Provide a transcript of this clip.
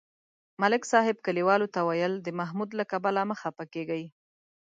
ملک صاحب کلیوالو ته ویل: د محمود له کبله مه خپه کېږئ.